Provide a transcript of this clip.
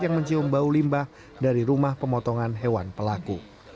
yang mencium bau limbah dari rumah pemotongan hewan pelaku